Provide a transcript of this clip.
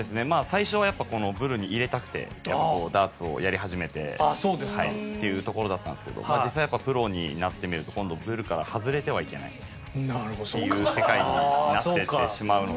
最初はやっぱこのブルに入れたくてダーツをやり始めてっていうところだったんですけど実際やっぱプロになってみると今度ブルから外れてはいけないっていう世界になっていってしまうので。